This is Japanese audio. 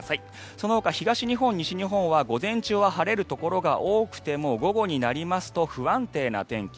そのほか東日本、西日本は午前中は晴れるところが多くても午後になりますと不安定な天気。